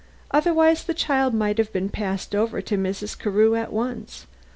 Otherwise the child might have been passed over to Mrs. Carew at once.